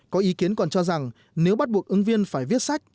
có ý kiến còn cho rằng nếu bắt buộc ứng viên phải viết sách